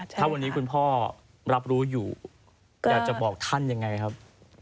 ถ้าวันนี้คุณพ่อรับรู้อยู่อยากจะบอกท่านยังไงครับ